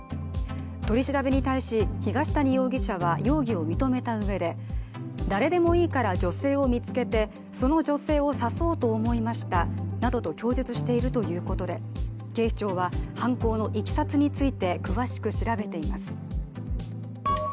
取り調べに対し東谷容疑者は容疑を認めたうえで、誰でもいいから女性を見つけてその女性を刺そうと思いましたなどと供述しているということで警視庁は犯行のいきさつについて詳しく調べています。